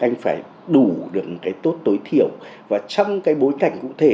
anh phải đủ được cái tốt tối thiểu và trong cái bối cảnh cụ thể